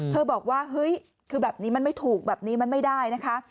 บอกว่าเฮ้ยคือแบบนี้มันไม่ถูกแบบนี้มันไม่ได้นะคะ